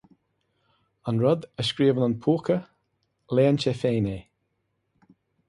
An rud a scríobhann an púca, léann sé féin é.